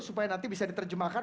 supaya nanti bisa diterjemahkan